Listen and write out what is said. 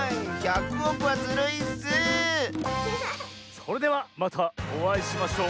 それではまたおあいしましょう！